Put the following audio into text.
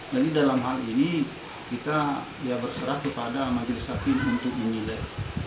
jadi dalam hal ini kita berserah kepada majelis hakim untuk menyulai